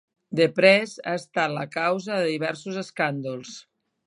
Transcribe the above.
"The Press" ha estat la causa de diversos escàndols.